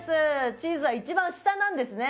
チーズは一番下なんですね。